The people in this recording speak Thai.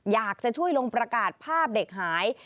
อยากจะช่วยลงประกาศภาพเด็กหาย